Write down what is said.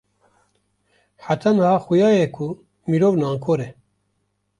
heta niha xuya ye ku mirov nankor e